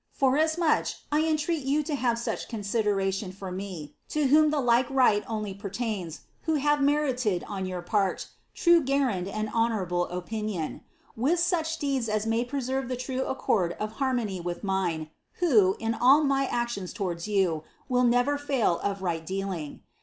" Forasmuch I entreat you to have such consideralion for me (to wbora the like light only peilaini, wbo have merited, on your pan. Hue guerdon and honourable opinion), with such deeds as may preserve the irue accord of har mony with mine, who, in all my actions lowardi you, will never fail of right dealing.